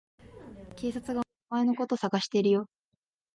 警察がお前のこと捜してるよ。